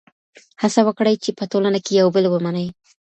هڅه وکړئ چي په ټولنه کي یو بل ومنئ.